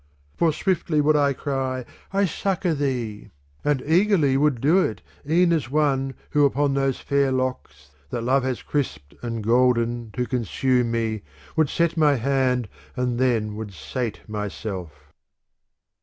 For swiftly would I cry :* I succour thee,' And eagerly would do it, e'en as one who upon those fair locks that love has crisped and goldened to consume me would set my hand and then would sate myself.